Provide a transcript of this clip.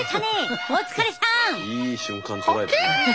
いい瞬間捉えたね。